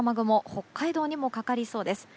北海道にもかかりそうです。